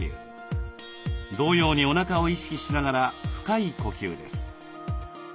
同様におなかを意識しながら深い呼吸です。